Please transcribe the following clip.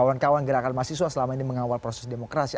kawan kawan gerakan mahasiswa selama ini mengawal proses demokrasi